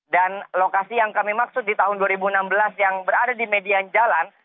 dan lokasi yang kami maksud di tahun dua ribu enam belas yang berada di median jalan